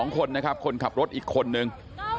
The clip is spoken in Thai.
๒คนนะครับคนขับรถอีกคนนึง